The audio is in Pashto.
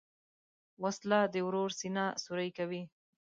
وسله د ورور سینه سوری کوي